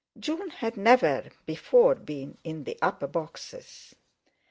June had never before been in the upper boxes.